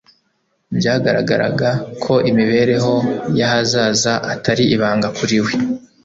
Byagaragaraga ko imibereho y'ahazaza atari ibanga kuri we.